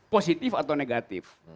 positif atau negatif